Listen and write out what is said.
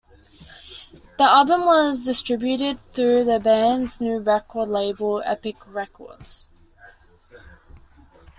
The album was distributed through the band's new record label, Epic Records.